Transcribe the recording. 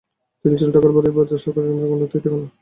তিনি ছিলেন ঠাকুরবাড়ির বাজার সরকার শ্যাম গাঙ্গুলির তৃতীয় কন্যা।